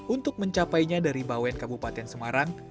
untuk mencapainya dari bawen kabupaten semarang